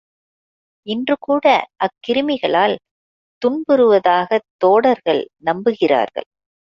இன்றுகூட அக்கிருமிகளால் துன்புறுவதாகத் தோடர்கள் நம்புகிறார்கள்.